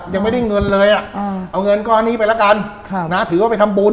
ยังไม่ได้เงินเลยอ่ะเอาเงินก้อนนี้ไปละกันถือว่าไปทำบุญ